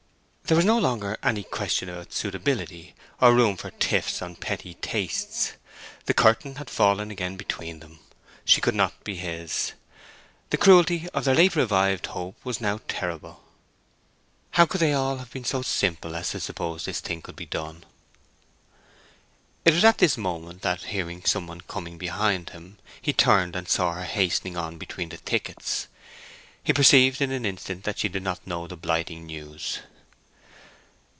There was no longer any question about suitability, or room for tiffs on petty tastes. The curtain had fallen again between them. She could not be his. The cruelty of their late revived hope was now terrible. How could they all have been so simple as to suppose this thing could be done? It was at this moment that, hearing some one coming behind him, he turned and saw her hastening on between the thickets. He perceived in an instant that she did not know the blighting news.